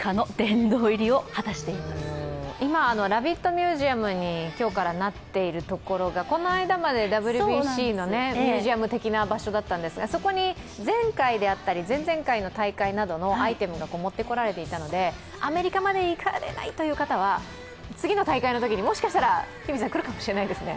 ミュージアムに今日からなっているところがこの間までＷＢＣのミュージアム的な場所だったんですがそこに前回であったり前々回の大会などのアイテムが持ってこられていたのでアメリカまで行かれないという方は次の大会のときにもしかしたら来るかもしれないですね。